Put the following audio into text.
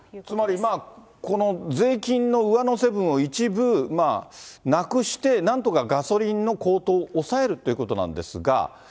つまりこの税金の上乗せ分を一部なくして、なんとかガソリンの高騰を抑えるということなんですが。